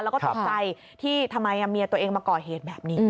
แล้วก็ตกใจที่ทำไมเมียตัวเองมาก่อเหตุแบบนี้